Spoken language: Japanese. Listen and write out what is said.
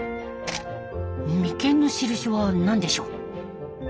眉間の印は何でしょう？